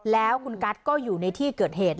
แล้วคุณกัสก็อยู่ในที่เกิดเหตุ